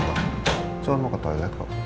cuma mau ke toilet kok